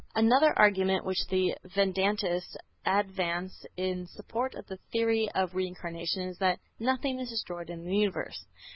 Another argument which the Vedantists advance in support of the theory of Reincarnation is that "Nothing is destroyed in the universe."